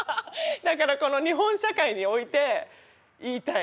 だからこの日本社会において言いたい。